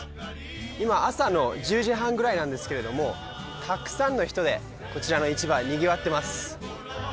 今朝の１０時半ぐらいなんですけれどもたくさんの人でこちらの市場にぎわってます